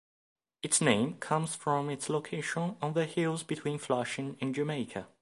Its name comes from its location on the hills between Flushing and Jamaica.